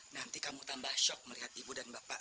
nanti kamu tambah shock melihat ibu dan bapak